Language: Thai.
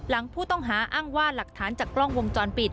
หลังผู้ต้องหาอ้างว่าหลักฐานจากกล้องวงจรปิด